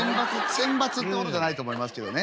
選抜ってことじゃないと思いますけどね。